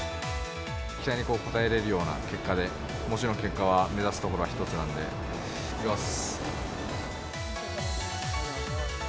期待に応えられるような結果で、もちろん結果は目指すところは一つなんで、いってきます。